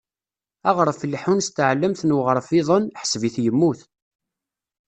Aɣref ileḥḥun s tɛellamt n weɣref-iḍen, ḥseb-it yemmut.